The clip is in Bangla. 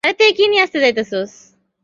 এটাতে কয়েন ছিল?